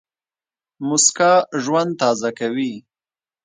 موسکا ژوند تازه کوي.